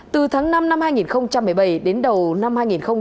từ tháng năm năm hai nghìn một mươi bảy đến đầu năm hai nghìn hai mươi